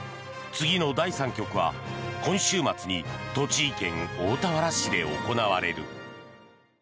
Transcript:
次の第３局は今週末に栃木県大田原市で行われる。